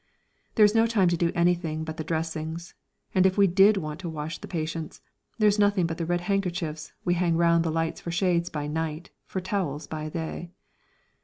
There is no time to do anything but the dressings, and if we did want to wash the patients there is nothing but the red handkerchiefs we hang round the lights for shades by night, for towels by day.